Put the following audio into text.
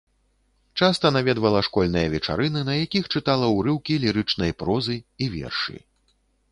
Часта наведвала школьныя вечарыны, на якіх чытала ўрыўкі лірычнай прозы і вершы.